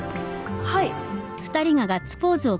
はい。